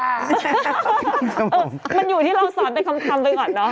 มันอยู่ที่เราสอนเป็นคำไปก่อนเนอะ